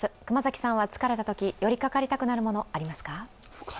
熊崎さんは疲れたとき寄りかかりたくなるものありますか？